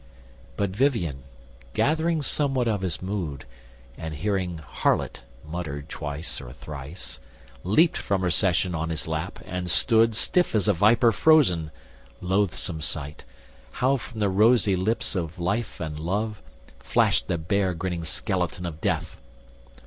But Vivien, gathering somewhat of his mood, And hearing "harlot" muttered twice or thrice, Leapt from her session on his lap, and stood Stiff as a viper frozen; loathsome sight, How from the rosy lips of life and love, Flashed the bare grinning skeleton of death!